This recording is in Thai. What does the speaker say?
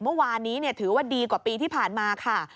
เมื่อวานนี้ถือว่าดีกว่าปีที่ผ่านมาค่ะ